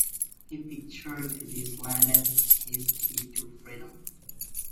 He pictured this land as his key to freedom.